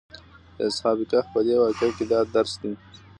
د اصحاب کهف په دې واقعه کې دا درس دی.